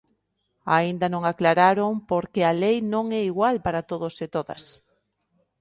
Aínda non aclararon por que a lei non é igual para todos e todas.